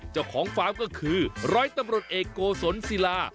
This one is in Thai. เจ้าของฟาร์มก็คือร้อยตำรวจเอกโกศลศิลา